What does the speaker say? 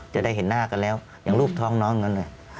จะได้เห็นหน้ากันแล้วอย่างรูปท้องน้องกัน